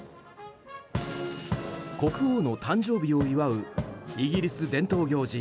国王の誕生日を祝うイギリス伝統行事